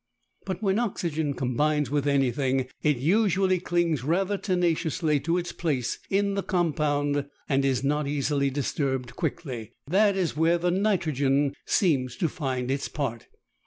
But when oxygen combines with anything it usually clings rather tenaciously to its place in the compound and is not easily disturbed quickly, and that is where the nitrogen seems to find its part.